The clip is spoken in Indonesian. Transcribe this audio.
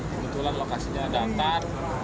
kebetulan lokasinya datar